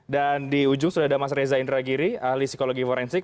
dan di ujung sudah ada mas reza indragiri ahli psikologi forensik